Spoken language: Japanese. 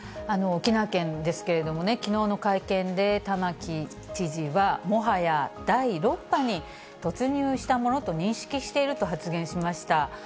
沖縄県ですけれどもね、きのうの会見で玉城知事は、もはや第６波に突入したものと認識していると発言しました。